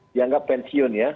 dianggap pensiun ya